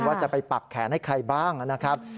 ว่าจะไปปักแขนให้ใครบ้างนะครับ